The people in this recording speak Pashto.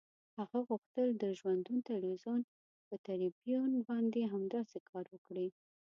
هغه غوښتل د ژوندون تلویزیون پر تریبیون باندې همداسې کار وکړي.